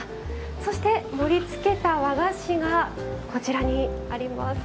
そして盛りつけた和菓子がこちらにあります。